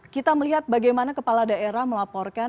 kita melihat bagaimana kepala daerah melaporkan